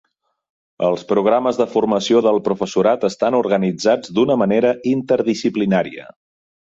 Els programes de formació del professorat estan organitzats d'una manera interdisciplinària.